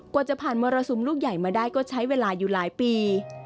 กว่าจะผ่านมรสุมลูกใหญ่มาได้ก็ใช้เวลาอยู่หลายปี